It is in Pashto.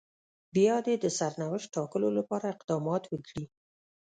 بيا دې د سرنوشت ټاکلو لپاره اقدامات وکړي.